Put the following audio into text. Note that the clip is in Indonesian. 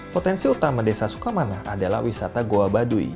potensi utama desa sukamana adalah wisata goa baduy